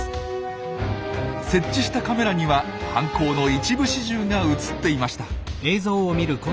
設置したカメラには犯行の一部始終が写っていました。